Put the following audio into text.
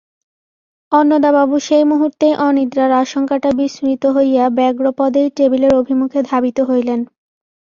অন্নদাবাবু সেই মুহূর্তেই অনিদ্রার আশঙ্কাটা বিসমৃত হইয়া ব্যগ্রপদেই টেবিলের অভিমুখে ধাবিত হইলেন।